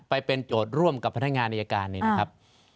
ไปเป็นโจทย์ร่วมกับพนักงานอายการเนี่ยนะครับ